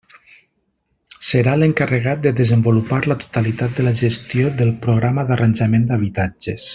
Serà l'encarregat de desenvolupar la totalitat de la gestió del Programa d'Arranjament d'Habitatges.